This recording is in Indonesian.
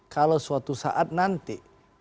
kalau suatu saat nanti